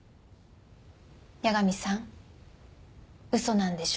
八神さん嘘なんでしょ？